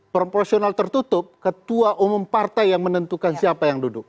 proporsional tertutup ketua umum partai yang menentukan siapa yang duduk